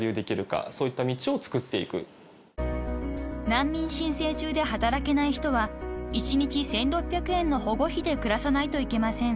［難民申請中で働けない人は１日１，６００円の保護費で暮らさないといけません］